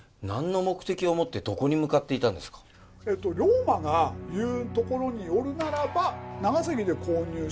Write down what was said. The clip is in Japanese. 龍馬が言うところによるならば。